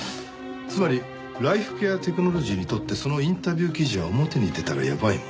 つまりライフケアテクノロジーにとってそのインタビュー記事は表に出たらやばいもの。